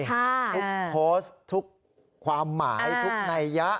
ทุกสินทรัพย์ทุกความหมายทุกในยะ